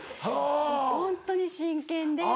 ホントに真剣で。